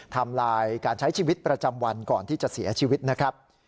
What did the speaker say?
ทำลายการใช้ชีวิตประจำวันก่อนที่จะเสียชีวิตนะครับ